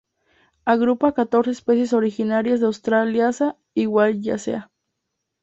Agrupa a catorce especies originarias de Australasia y la Wallacea.